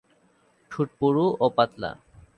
ঠোঁট পুরু ও পাতলা।